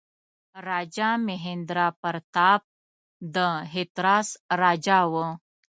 راجا مهیندراپراتاپ د هتراس راجا وو.